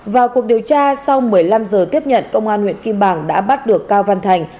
vào cuộc điều tra sau một mươi năm giờ tiếp nhận công an huyện kim bảng đã bắt được cao văn thành